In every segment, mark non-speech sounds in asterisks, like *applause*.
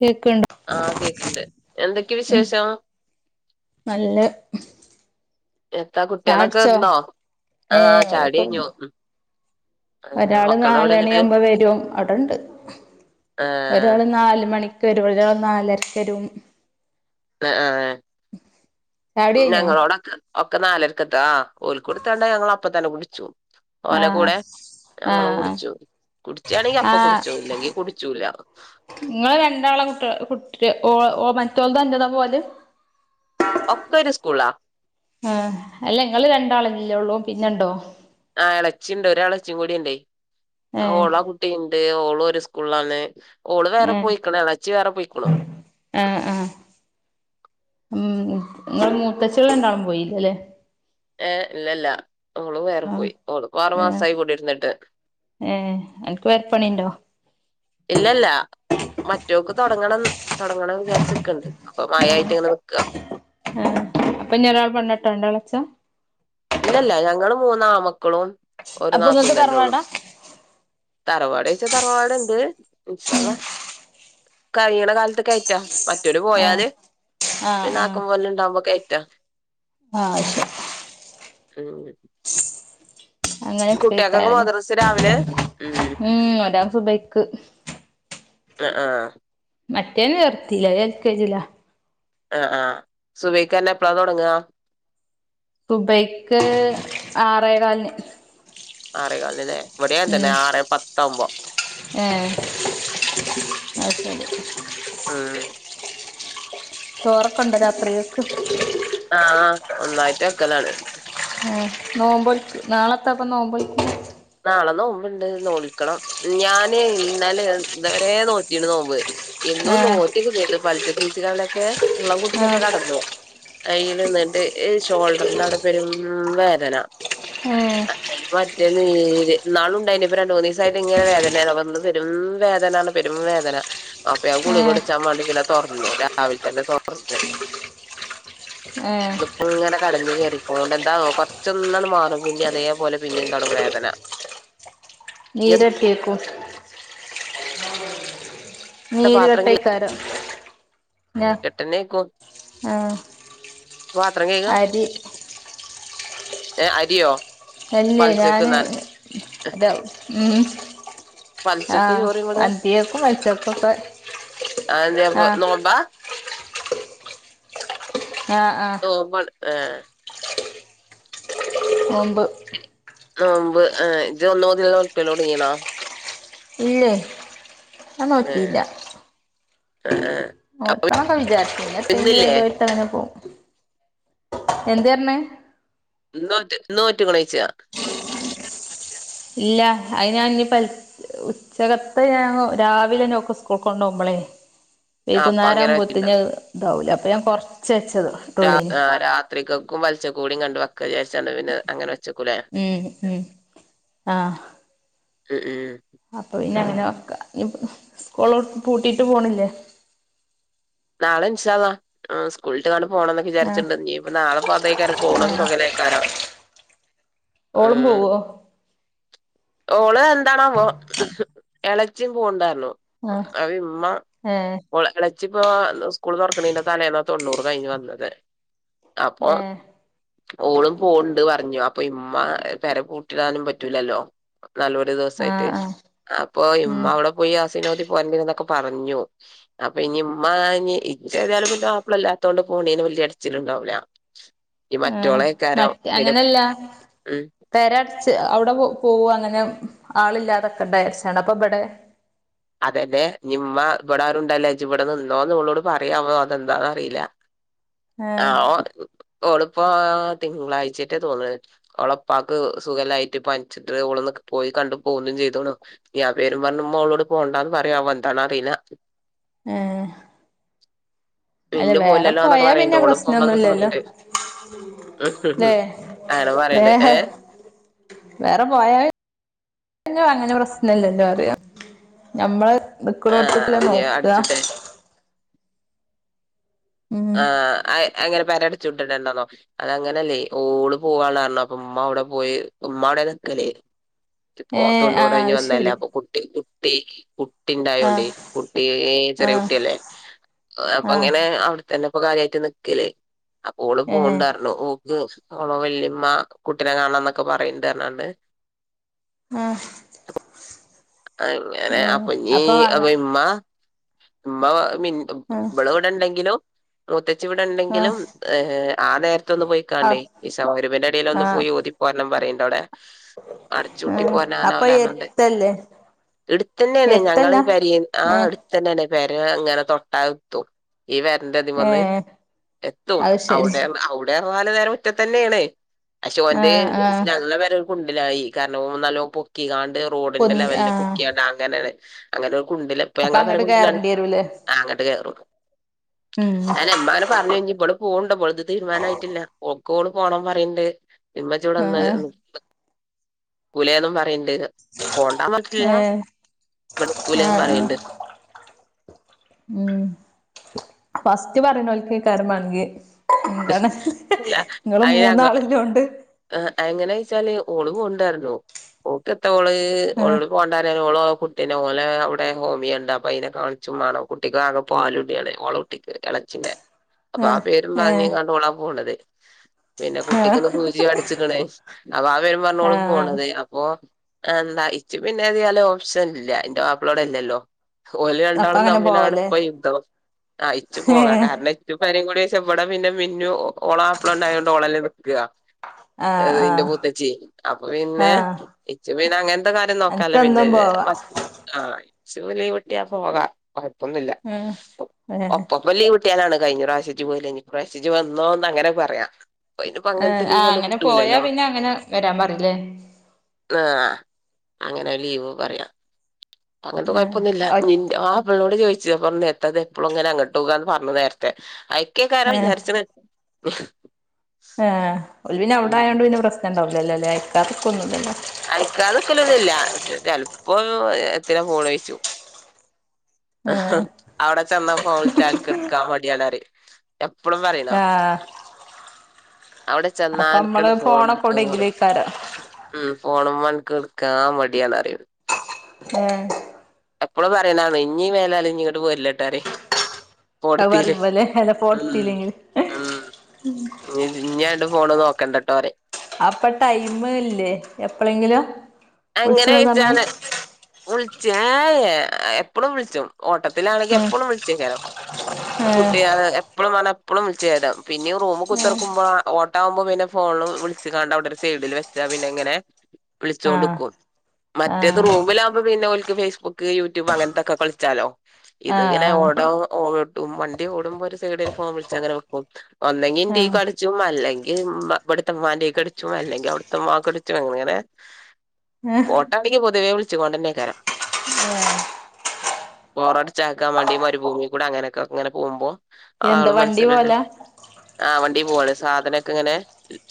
കേൾക്കണ്ട് ആഹ് കേക്കണ്ട് എന്തൊക്കെ വിശേഷം നല്ല എന്താ കുട്ടിയളൊക്കെ ചായുട്ച്ചോ വന്നോ ആഹ് ഏഹ് ചായുടി ഓലൊക്കെ വന്നു കയ്ഞ്ഞു ഉം ഏഹ് ഒരാള് മക്കളെവിടെ നാലണി ന്നട്ട് ആവുമ്പോ വരും അവിടെണ്ട് ഒരാള് ഏഹ് നാല് മണി *unintelligible* നാലരക്കരും ആഹ് ചായുടി കഴിഞ്ഞോ ഞങ്ങളോടൊക്ക ഒക്കെ നാലരക്കെത്താ ആ ഓലിക്കടുത്താണ്ട് ഞങ്ങള് അപ്പ തന്നെ കുടിച്ചു ഓലെ ആഹ് കൂടെ ഞങ്ങളും ആഹ് കുടിച്ചു കുടിച്ചാണെങ്കി അപ്പൊ കുടിച്ചോ ഇല്ലെങ്കി കുടിച്ചൂല നിങ്ങള് രണ്ടാളെ കുട്ടി കൂട്ട് മറ്റോള് തന്റെതാ പോവല് ഒക്കെ ഒരു സ്കൂളാ ആ അല്ല ഇങ്ങള് രണ്ടാളല്ലേ ഉള്ളൂ പിന്നെണ്ടോ ആ ഇളച്ചിണ്ട് ഒ ഇളച്ചിയ കൂടിണ്ട് ഏഹ് ഓള കുട്ടിയുണ്ട് ഓള് ഒരു സ്കൂളിലാണ് ഓള് വേറെ ഏഹ് പോയിക്കണ ഇളച്ചി വേറെ പോയിക്കുണു ആഹ് ആഹ് ഉം നിങ്ങളെ മൂത്തച്ചിള് രണ്ടാളും പോയി അല്ലേ ഏഹ് ഇല്ലല്ല അവള് വേറെ ആഹ് പോയി ഓള് ആറു ഏഹ് മാസായി കൂടിരുന്നിട്ട് എൻക്ക് വേർപ്പണിണ്ടോ ഇല്ലല്ല മറ്റോക്ക് തുടങ്ങണം തുടങ്ങണം വിചാരിച്ചിക്കിണ്ട് അപ്പൊ മയായിട്ട് ഏഹ് ഇങ്ങനെ നിക്ക അപ്പ ഇനി ഒരാള് *unintelligible* ഇല്ലല്ല ഞങ്ങള് മൂന്ന് ആമ്മക്കളും ഒരു അപ്പൊ നാത്തൂൻ ഇങ്ങക്ക് തന്ന ഉള്ളു തറവാടാ? തറവാട്ച്ചാ തറവാടിണ്ട് ഇൻഷാഅള്ളാ കഴിയണ കാലത്ത് കയറ്റാ മറ്റോര് ആഹ് പോയാല് ആഹ് പിന്നെ ആഹ് ആക്കും പോലെ ഇണ്ടാമ്പോ കയ്റ്റാ ആഹ് ശെരി അങ്ങനെ കുട്ടികക്കൊക്കെ അങ്ങനെക്കേക്കാരല്ലേ മദ്രസ രാവിലെ ഉം ഒരാൾ സുബൈക്ക് ആഹ് ആഹ് മറ്റേതിനെ നിർത്തില്ല അത് എൽ കെ ജിയിലാ ആഹ് ആഹ് സുഭയ്ക്കാനെ എപ്പളാ തുടങ്ങാ സുബൈക്ക് ആറേകാലിന് ആറേകാലന്നെ ഇവിടേം ഉം അതന്നെ ആറേ പത്താകുമ്പോ ഏഹ് അത് ശരി ഉം ചോറക്കുണ്ട രാത്രിയേക്ക് ആഹ് ആഹ് ഒന്നായിട്ട് വെക്കലാണ് ആ നോമ്പോഴി നാളത്തപ്പ നോമ്പൊഴിക്ക് നാളെ നോമ്പ് ഇണ്ട് നോൽക്കണം ഞാന് ഇന്നലെ ഇന്നലേ നോറ്റിരുന്നു നോമ്പ് എന്നും ഏഹ് നോറ്റിയൊക്കെ ചെയ്ത് *unintelligible* ബീച്ചികളിലൊക്കെ വെള്ളം ആഹ് കുടിച്ചൊക്കെ കെടക്കും കയ്യില് എന്നിട്ട് ഷോൾഡറിന്റെ അവിടെ പെരും വേദന ആഹ് അതെ മറ്റേ നാളുണ്ടായിനി ഇപ്പൊ രണ്ട് മൂന്ന് ദിവസായിട്ട് ഇങ്ങനെ വേദനയാണ് പെരും വേദനാണ് പെരും വേദന അപ്പ ഗുളിക ഏഹ് കുടിച്ചാൻ വേണ്ടി പിന്നെ തുറന്നു രാവിലെ തന്നെ തുറന്ന് ഏഹ് ഇന്നിപ്പോ ഇങ്ങനെ കടഞ്ഞ് കേറിപ്പോണ്ട് എന്താ കൊറച്ചൊന്നണ് മാറും പിന്നെ അതേപോലെ പിന്നെം തൊടങ്ങും വേദന നീര എന്താ കേക്കും നീര് പാത്രം കഴ് വെട്ടയ്ക്കാരം *unintelligible* പാത്രം കഴുകുവാ അരി ഏഹ് അരിയോ അല്ലേ പൽച്ചക്ക് ഞാന് ന ഇതാ മ് പൽച്ചക്ക് ആഹ് ചോറും കൂടെ അന്തിയൊക്കും അച്ചോക്കും ഒക്കെ അതേപോ ആഹ് നോമ്പാ ആഹ് ആഹ് *unintelligible* ഏഹ് നോമ്പ്. ആഹ് ആഹ് ഇജ് ഒന്ന് മുതല് നോൽക്കല് തുടങ്ങിക്കണോ? ഇല്ല്യേയ്. ഏഹ് ആഹ്. നോൽക്കണോക്കെ വിചാരിച്ചിന് എന്തെങ്കിലും ഇതായിട്ട് അങ്ങനെ പോവും എന്തേ പറഞ്ഞേ. ഇന്ന് നോറ്റ് നോറ്റ്ക്കണോ ചോയ്ച്ചാ. ഇല്ല അയിനാ ഇനി പെലച്ച ഉച്ചക്കത്തെ ഞാൻ രാവിലെ തന്നെ ഓക്ക് സ്കൂള്ക്ക് കൊണ്ടുപോകുമ്പളെ. ആ അപ്പൊ വൈകുന്നേരം അങ്ങനെ ആവുമ്പോത്തിന് വെച്ചിണ്ടാവും ഇതാവൂലെ അപ്പോൾ ഞാൻ കുറച്ച് വെച്ചത്. ഇട്ടുള്ളേനി രാത്രികക്കും പെലച്ചക്ക് കൂടി കണ്ട് വെക്ക ക്കാ വിചാരിച്ചാണ്ട് പിന്നെ അങ്ങനെ വെച്ചക്കൂലെ. ഉം ഉം ഉം ഉം. അപ്പോ ഇനി പിന്നെ വെക്കാ സ്കൂള് എവിടുക്കും പൂട്ടിട്ട് പോണില്ലെ. നാളെ ഇൻഷാ അള്ളാ. ആഹ് സ്കൂള് വിട്ട് വന്നു പോണം എന്നോക്കെ ആഹ് വിചാരിച്ചട്ടിണ്ട് ഇനീ ഇപ്പ നാളെ അതേക്കാരം ആഹ് സോയല്. ഓളും പോവോ? ഓള് എന്താണാവോ എളച്ചിയും പോവുണ്ട് പറഞ്ഞു. ആഹ് അത് ഉമ്മ ഏഹ് ഓള് എളച്ചി ഇപ്പോൾ സ്കൂൾ തുറക്കണീന്റെ തലേന്നാ തൊണ്ണൂറ് കഴിഞ്ഞ് വന്നത് അപ്പോ. ഏഹ് ഓളും പോണുണ്ട് പറഞ്ഞു അപ്പോ ഇമ്മ പെര പൂട്ടിടാനും പറ്റൂലല്ലോ. നല്ലൊരു ദിവസ ആയിട്ട് ആഹ് ആഹ് അപ്പോ ഇമ്മ ഉം അവിടെ പോയി യാസീനോതി പോരണ്ട് എന്നൊക്കെ പറഞ്ഞു അപ്പോ ഇനി ഇമ്മാ ഇനി ഇച്ച് ഏതായാലും എന്റെ മാപള ഇല്ലാത്തത് കൊണ്ട് പോണീന് വലിയ എടച്ചിലുണ്ടാവില്ല. ആഹ് മറ്റ് അങ്ങനല്ല. ഉം പെര അടച്ച് അവിടെ പോകു അങ്ങനെ ആളില്ലാതക്കണ്ടെ വിചാരിച്ചാ അപ്പോ ഇവടെ. അതന്നെ ഇനി ഇമ്മ ഇവിടെ ആരുണ്ടല്ലോ ഇജ് ഇവിടെ നിന്നോന്ന് അത് ഓളോട് പറയുമോ അതെന്താന്ന് അറിയില്ല. *inaudible* ആഹ് ഓ ഓള് ഇപ്പോ തിങ്കളാഴ്ച്ചയെറ്റെ തോന്ന്ണ്. ഓള് ഇപ്പാക്ക് സുഖല്ലായിട്ട് പനിച്ചിട്ട് ഓള് പോയി കണ്ടു പോന്നും ചെയ്തുണു. ഇനി ആ പേരും പറഞ്ഞ് ഇമ്മ ഓളോട് പോണ്ടാന്ന് പറയാവോ എന്താന്ന് അറിയില്ല. ഏഹ്. അല്ല പിന്നെ വേറെ പോവില്ലല്ലോ എന്നൊക്കെ പോയാ പറയണ്ട് പിന്നെ ഓള് പോകണം എന്നൊക്കെ പ്രശ്നൊന്നുല്ലല്ലോ പറഞ്ഞിട്ടേ. ല്ലേ അങ്ങനെ പറയ്ണ്ട് വേറെ ഏഹ്. വേറെ പോയാല് പിന്നെ അങ്ങനെ പ്രശ്നം ഇല്ലല്ലോ പറയാ. ഞമ്മള് ആ നിക്ക്ണോട്ത്ത്ക്ക് തന്നെ അപ്പൊ ഞാൻ നോക്കാ. അടിച്ചുട്ടെ ഉം ആഹ് അങ്ങനെ പെര അടച്ച് പൂട്ടി ഇടണ്ടാന്നോ? അതങ്ങനല്ലെ ഓള് പോകാണ് അപ്പ ഉമ്മ അവിടെ പോയി ഉമ്മ അവിടെ നിക്കലെ. ഇപ്പം ഏ ഓള് ആ തൊണ്ണൂറ് കഴിഞ്ഞ് അത് വന്നതല്ലേ ശരി അപ്പോ കുട്ടീ കുട്ടി. കുട്ടി ആ ഉണ്ടായോണ്ടേ കുട്ടി ആ ചെറിയ കുട്ടിയല്ലേ അപ്പ ആ അങ്ങനെ അവിട തന്നെ ഇപ്പോ കാര്യായിട്ട് നിക്കല് അപ്പോ ഓള് ഏ പോകുണ്ട് പറഞ്ഞു. ഓളെ വല്യമ്മ കുട്ടീനെ കാണാന്നൊക്കെ പറയുണ്ട് എന്നൊക്കെ പറഞ്ഞ്ങ്ങാണ്ട്. ആഹ്. അങ്ങനെ അപ്പോ നീ അപ്പ ഇമ്മ ഉമ്മ മിന് ആ ഇവള് ഇവിടെ ഉണ്ടെങ്കിലും മൂത്തച്ചി ഇവ്ടെ ആ ഉണ്ടെങ്കിലും ആഹ് നേരത്തൊന്ന് പോയി ആ ക്കാണ്ടെയ് ഇശാ മാര്ബിന്റെ ഇടയിലൊന്ന് ആ പോയി ഓതി പോരണം എന്ന് പറയണുണ്ട് അവടെ. അടച്ചൂട്ടി പോരാൻ ആവൂല എന്ന്പറഞ്ഞ്ങ്ങാണ്ട്. അല്ലെ. എടുത്ത് തന്നെയാണ് ഞങ്ങളെ ഈ പെരീം ആഹ് ഏ അടുത്ത് തന്നെയാണ് പെര ഇങ്ങനെ തൊട്ടാ എത്തും. ഈ വരന്റെ ഇതിമെന്ന് ഏ എത്തും അത് ശരി അവടെയാണ് അവ് ടെ പറഞ്ഞാല് ഓരെ മുറ്റത്തന്നെയാണെയ് പക്ഷെ ആ ഓന്റെയും ആ ഞങ്ങള പെര കുണ്ട്ലായി കാരണം നല്ലോ പൊക്കി കാണ്ട് റോഡിന്റെ പൊന്തി ആ ലെവലിൽ പൊക്കീകാണ്ട് അങ്ങനെ അങ്ങനെ ഒരു കുണ്ട്ലാ ഇപ്പൊ അപ്പൊ ഞങ്ങളെ പെര അങ്ങട്ട് കുണ്ട്ലാണ് കേറേണ്ടി വരൂലേ അങ്ങട്ട് കേറും ഉം അതന്നെ ഇമ്മാനെ പറഞ് ഇനി ഇബളും പോണ് ണ്ട് ഓളത്‌ തീരുമാനമായിട്ടില്ല ആയിട്ടില്ല ഓൾക്ക് ഓള് പോണം പറയണ്ട് ഇമ്മച്ചി ഇവ്ടെ ആ നിക്ക ക്കൂലെന്നും പറയണ്ട് പോണ്ടാന്ന് പറഞ്ഞിട്ടില്ല ഏ ഇവിടെ നിക്കൂലെ ആ എന്നും ആ പറയുന്നുണ്ട് ഉം ഫസ്റ്റ് പറയണോൽക്കായിരിക്കുംമാണെങ്കി ഉം. എന്താണ് അല്ല ഇങ്ങള് അയിന് മൂന്നാള്ലോണ്ട് ആഹ് എങ്ങനെയച്ചാല് ഓള് പോവ് ണ്ടർഞ്ഞു. ഓക്ക് എത്ത ഓള്. ക്ക് ആ ഓളോട് പോണ്ടാറിയാന് ഓള് ഓളെ കു പിന്നെ ഓല അവിടെ ഹോമിയുണ്ട് അപ്പൊ അതിനെ കാണിച്ചും മാണം കുട്ടിക്ക് ആകെ പോലുണ്ണിആണ് ഓളെകുട്ടിക്ക് എളച്ചിന്റെ അപ്പൊ ആ ഏഹ് പേരും പറഞ്ഞ് ഏഹ് ങ്ങാണ്ട് ഓളാപോണത് പിന്നെ ആഹ് കുട്ടിക്ക്ന്ന് സൂചി അടിച്ചിക്കണേ അപ്പോ ആ പേരും പറഞ്ഞോഓള് ആഹ് പോണത്. ഓ എന്താ ഇച്ച്ച് പിന്നെ ഏതാലുംപ്ഷൻ ഇല്ല ഇന്റെ മാപ്പള ഇവടെ ഇല്ലല്ലോ? ഓല് അപ്പ രണ്ടാളും അങ്ങനെ തമ്മിലാണ്‌ പോവല്ലേ ഇപ്പ യുദ്ധം ആ ഇച്ച് പോകാം ഏഹ് കാരണം ച്ച് വെരകൂടി വെച്ച എ ഇവിടെ പിന്നെ മിന്നു ഓള മാപ്പള ഉണ്ടായതത്ണ്ട് ഓളല്ലെനിക്ക ഏ ആഹ് ഇന്റെ ആഹ് മൂത്തച്ചി അപ്പൊ പിന്നെ ആഹ് ഇച്ചു പിന്നെ അങ്ങനത്തെ കാര്യം നോക്കാല പിണ്ട അനക്കെന്നും പോവാ മറ്റ ആഹ് ഇച്ച് ലീവ് കിട്ടിയാ പോകാം കൊഴപ്പൊന്നുല്ല ഏഹ് ഏഹ് ഒപ്പപ്പം ലീവ് ട്ടി ട്ടിയാലാണ് കഴിഞ്ഞ പ്രാവശ്യം ഇജ് പോയിലെ ഇപ്രാവശ്യി ഇജ്‌വന്നോ ന്ന് അങ്ങനെപറയ ഏ ആ അങ്ങനെ പോയാ പിന്നെ അങ്ങനെ വരാൻ പറയില്ലേ? ആഹ് അങ്ങനെ ലീവ് പറയാം അങ്ങന് ത്തെ ഏഹ് കൊഴപ്പൊന്നുല്ല. ഒറ്റ് നിന്റെ ആഹ് വളോട് ചോയി ജബർ എത്തത് എപ്പോള് അങ്ങനെ അങ്ങട്ട് പോകന്ന് പറഞ്ഞത് നേരത്തെ ഐക്കാര ഏഹ് വിചാരിച്ച *unintelligible* ഏ ഒ പിന്നെ അവിടെ ആയോണ്ട് പിന്നെ പ്രശ്നംണ്ടാവില്ല അല്ലോ അല്ലേ എക്കാർക്ക ഒന്നല്ലോ അയക്കാതെ നിക്കലഒന്നുല്ല ചെലപ്പോ എത്തിനാപോണ ചോയ്‌ച്ചു ഏഹ് അവിടെ ചെന്ന ഫോള്സ്റ്റാൻക്ക് എടുക്കാ മടിയാണ് റിം. എപ്പഴും പറിണാ ആഹ് അവിടെ അപ്പ അമ്മള് ചെന്നാഅന്ത്ഫോൺ ഫോണൊക്കെ എടുക്ക പറയും എവിടെയെങ്കിലേക്കാരം ഉം ഫോണ്മ്മെഅനക്ക് ഇട്ക്കാൻ മടിയന്ന് പറിയ ഉം അപ്പോള പറയാനാണ് ഇഞ്ഞീ മേലാല് ഇങ്ങോട്ട് പോരില്ലട്ടോപറി അത് കോട്ത്തിൽ പറയുമ്പോലെ അല്ല ഫോൺ ഉം എടുത്തില്ലെങ്കിൽ ഉം ഇഞ്ഞഅങ്ങട്ട്ഫോണ് നോക്കണ്ട പറിം അപ്പൊ ടൈമ ഇല്ലേ എപ്പളെങ്കിലോ? അങ്ങനെ ചോയ്ച്ചാൽ വിളിചായ എപ്പളും വിളിച്ചും. ഓട്ടത്തിലാണെങ്കിൽ ഉം ഏഹ് എപ്പളുംവിളിച്ചേകാരംകുട്ടിയ എപ്പോളും എപ്പോള് വിളിചയ്കാരം പിന്ന റൂമ് കുത്തിറക്കുമ്പോ ഓട്ടാകുമ്പോ പിന്നെ ഫോണ വിള വിളിച്ചിങ്ങണ്ട അവിടെ ഒരു സൈഡിൽ വെച്ചാ പിന്നെ എങ്ങനെ വിളിച്ചൊണ്ട് നി ആഹ് മറ്റേത് ആഹ് റൂമില ആകുമ്പോ പിന്നെ ഒലക്ക് ഫേസ്ബുക്ക് യൂട്യൂബ് അങ്ങനത്തൊക്കെ കളിച്ചാലോ? ഇത് ആഹ് ഇങ്ങനെ ഓട ആഹ് ഓട്ടും വണ്ടി ഓടുമ്പോ ഒരു സൈഡില് ഒരുസൈഡിൽഫോൺവിളിച്ച അങ്ങനെ വെക്കും. ഒന്നെങ്കി ഇന്റീക്ക് ആഹ് അടിച്ചും അല്ലെങ്കിൽ അവ്ടത്തമ്മാന്റെയും കടിച്ചും അല്ലെങ്കിൽ അവിടെ അവടത്തെ മ്മാക്ക് അടിച്ചു അങ്ങനെ അങ്ങനെ ഓട്ടാണെങ്കി പൊതുവേ വിളിച്ചു കൊണ്ടന്നെക്കാരം. ഉം *inaudible* മ്പോറടിച്ചാതക്കാൻ വേണ്ടി മരു ഭൂമികൂടെ അങ്ങനൊക്കെ അങ്ങനെ പോകുമ്പോ എന്താ ആളും വണ്ടി മൻസനും പോവലാ ആഹ് വണ്ടി പോവാണ് സാധനൊക്കെ ഇങ്ങനെ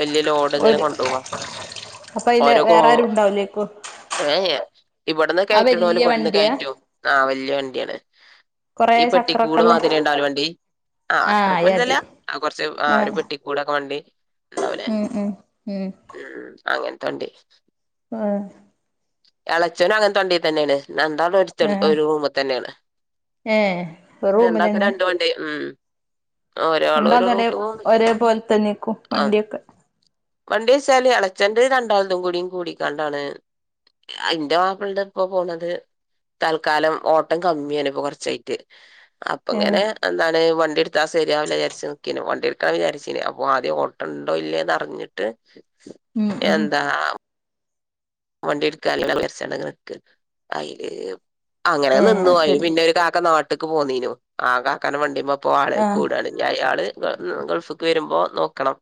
വലിയ ലോഡ് ഇങ്ങനെ ഒരു കൊണ്ടുപോവാ ഓരോ കോ അലേക്കും ഏ ഇവിടുന്ന് കയറ്റണ പോലെ കൊണ്ടന്ന് വണ്ടിയാ കേറ്റും ആ വല്യ വണ്ടി ആണ് കൊറേ ഈ പെട്ടി കൂട് ചക്രൊക്കെല്ലേ മാതിരി ഉണ്ടാവൂലെ വണ്ടി ആ ആഹ് അത്രക്ക അയാതി വലുതല്ല കൊറച്ച് ആ ഒരു ആഹ് പെട്ടി കൂടൊക്കെ വണ്ടി ഉണ്ടാവലേ ഉം ഉം ഉം ഉം അങ്ങനത്തെ വണ്ടി ആഹ് എളച്ചനും അങ്ങനെ വണ്ടിയിൽ തന്നെയാണ് രണ്ടാലും ആഹ് ഒരു റൂമ് തന്നെയാണ് ഏഹ് രണ്ടാക്ക് റൂമിലെന്നെ രണ്ട് വണ്ടി ഉം ഒരാള് ഒരു രണ്ടാളതുരെ റൂട്ട് പോവും ഒരേ പോലെ തന്നെ അയ്ക്ക് വണ്ടിയൊക്കെ വണ്ടിചാല്എളച്ചന്റെ രണ്ടാളതും കൂടിക്കാണ്ടാണ്. അതിന്റെ മാപ്പിളിടെ ഇപ്പൊ പോണത് തൽക്കാലം ഓട്ടം കമ്മിയാണ് ഇപ്പോ കൊറച്ചായി അപ്പ ഏഹ് ഇങ്ങനെ എന്താണ് വണ്ടിയ എടുത്താ സ ശരിയാക വിചാരിച്ച് നക്കന് വണ്ടിയ എടുക്കാ വിചാരിച്ചേന് അപ്പോ ആദ്യം ഓട്ടുണ്ടോ ഇല്ലേന്ന്റിഞ്ഞിട്ട് ഉം ഉം എന്താ വണ്ടി എടുക്കല്ലെച്ചണ്ട നിക്ക അയ്ല് അങ്ങനെ ഏഹ് നിന്നു അത് പോയി ശരി പിന്നെ ഒരു കാക്ക നാട്ടേക്ക് പോന്നീനു ആ കാക്കെ വണ്ടിയപ്പോ ആള ആഹ് കൂടാണ് അയാള് ഗൾഫക്ക് വരുമ്പോ നോക്കണം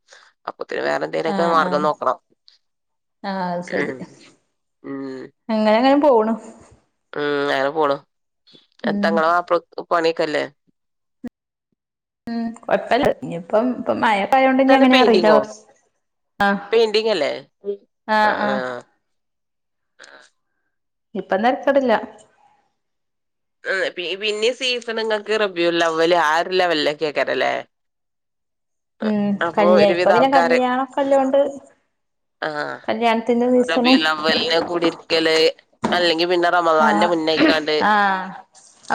അപ്പത്തിന് വേറെ എന്തെലൊക്കെ ആഹ് ആഹ് മാർഗം നോക്കണം ഉം അങ്ങനെങ്ങനെ പോണു ഉം അനെ പോണു എത്ത ഉം ങ്ങളെ മാപ്പളക്ക് പണിക്കല്ലേ ഉം കൊഴപ്പല്ല ഇനിപ്പം ഇപ്പ മയ യോണ്ട് ഇ എന്താണ് അങ്ങനെ അറിയില്ല പെയിന്റിങ്ങോ അവ ആഹ് പെയിന്റിങ് അല്ലേ ആ ആഹ് ആഹ് ആ ഇപ്പൊന്തരക്കടില്ല ആ പിന്നെ സീസണങ്ങൾക്ക് റബ്യു ലെവല് ആ ഒരു ലെവലിലൊക്കെ ആക്കരല്ലേ ഉം കല്യാണം ഇപ്പൊ ഒരുവിധ പിന്നെ ആൾക്കാര് കല്യാണംക്കെല്ലണ്ട് ആഹ് റബിൽ ലിനെ കൂടി ഇരിക്കല് അല്ലെങ്കി പിന്നെ റമളന്റെ ആഹ് മുന്നയിക്കാണ്ട് ആഹ്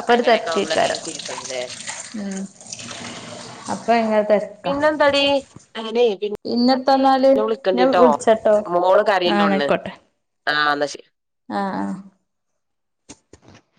അപ്പൊ ഒരു അങ്ങനെയൊക്കെ നമ്മളൊക്കെ തെരക്കേക്കാരം സീസണ്ട്ല്ലേ ഉം അപ്പൊ ഭയങ്കര പിന്നെന്തടി അന പിന്ന ഇന്നെത്തെന്നാല് വിളിക്കണ്ടിട്ടോ മോള് ആഹ് കറീന്റെ ന്നാ ഒണ്ണ് ആയിക്കോട്ടെ ആഹ് എന്നാ ശ ആഹ് ആഹ്